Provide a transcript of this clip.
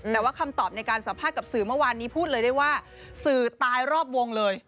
แต่ว่าคำตอบในการสัมภาษณ์กับสื่อเมื่อวานนี้พูดเลยได้ว่าสื่อตายรอบวงเลย